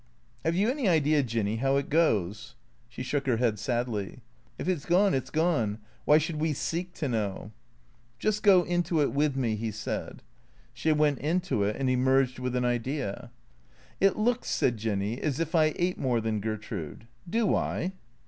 " Have you any idea. Jinny, how it goes ?" She shook her head sadly. " If it 's gone, it's gone. Wliy should we seek to know? "" Just go into it with me," he said. She went into it and emerged with an idea. " It looks," said Jinny, " as if I ate more than Gertrude. D( I?